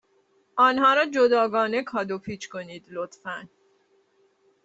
آنها را جداگانه کادو پیچ کنید، لطفا.